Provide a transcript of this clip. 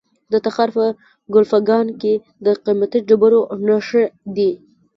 د تخار په کلفګان کې د قیمتي ډبرو نښې دي.